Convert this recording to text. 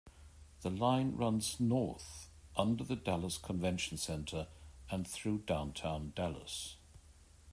The line runs north, under the Dallas Convention Center and through downtown Dallas.